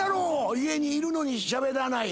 ⁉家にいるのにしゃべらない。